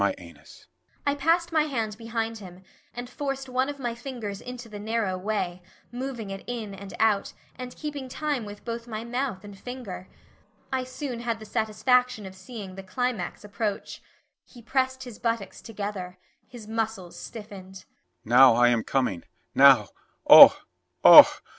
I passed my hand behind him, and forced one of my fingers into the narrow way, moving it in and out, and keeping time with both my mouth and finger. I soon had the satisfaction of seeing the climax approach. He pressed his buttocks together, his muscles stiffened.